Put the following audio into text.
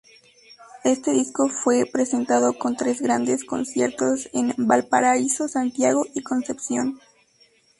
Este disco fue presentado con tres grandes conciertos en Valparaíso, Santiago y Concepción.